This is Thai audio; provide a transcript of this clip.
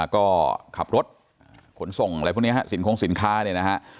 ก็ขับรถขนส่งอะไรพวกนี้ฮะสินคงสินค้าเนี่ยนะฮะ